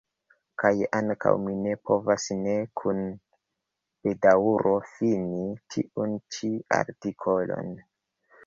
Kaj ankaŭ mi ne povas ne kun bedaŭro fini tiun ĉi artikolon.